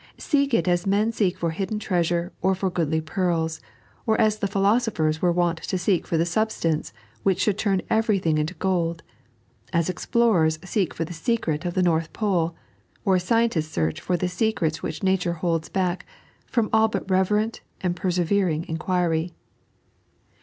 Seek it as men seek for hidden treasure or for goodly pearls, or as the philosophers were wont to seek for the substance which should turn everything into gold, as explorers seek for the secret of the North Pole, or as scientists search for the secrets which Nature holds back from all but reverent and persevering inquiry.